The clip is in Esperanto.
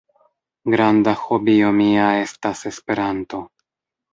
Granda hobio mia estas Esperanto.